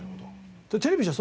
テレビじゃ